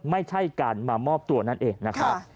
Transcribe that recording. ไม่ใช่การมามอบตัวนั่นเองนะครับ